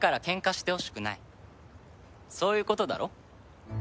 そういうことだろ？